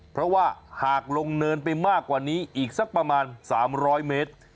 เพราะว่าหากลงเนินไปมากกว่านี้อีกสักประมาณ๓๐๐เมตร